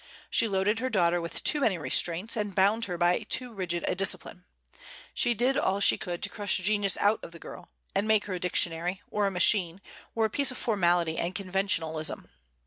She loaded her daughter with too many restraints, and bound her by a too rigid discipline. She did all she could to crush genius out of the girl, and make her a dictionary, or a machine, or a piece of formality and conventionalism.